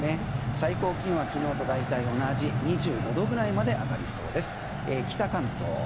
最高気温は昨日と大体同じ２５度ぐらいまで上がりそうです北関東。